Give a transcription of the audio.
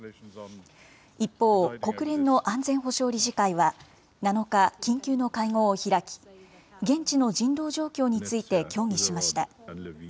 一方、国連の安全保障理事会は、７日、緊急の会合を開き、現地の人道状況について協議しました。